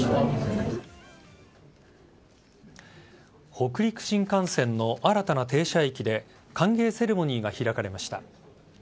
北陸新幹線の新たな停車駅で歓迎セレモニーが開かれました。